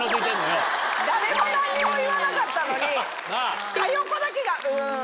誰も何にも言わなかったのに佳代子だけが。